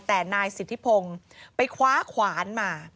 แต่นายสิทธิพงศ์ไปคว้าขวานมา